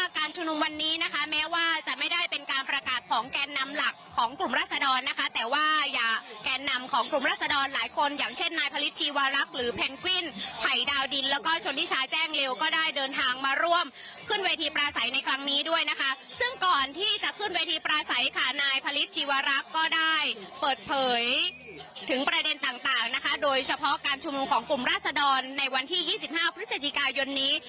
การชุมงงของกลุ่มราศดรในวันที่๒๕พฤศจิกายนนี้